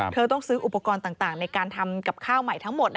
ต้องซื้ออุปกรณ์ต่างในการทำกับข้าวใหม่ทั้งหมด